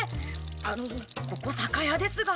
あのここ酒屋ですが。